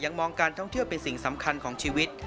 มองการท่องเที่ยวเป็นสิ่งสำคัญของชีวิต